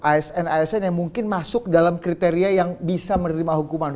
asn asn yang mungkin masuk dalam kriteria yang bisa menerima hukuman